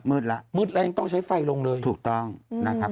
มืดแล้วมืดแล้วยังต้องใช้ไฟลงเลยถูกต้องอืมนะครับ